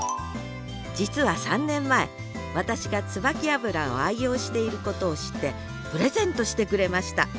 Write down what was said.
実は３年前私がツバキ油を愛用していることを知ってプレゼントしてくれました。